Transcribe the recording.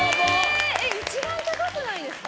一番高くないですか？